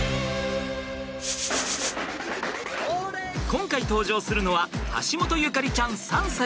今回登場するのは橋本縁ちゃん３歳。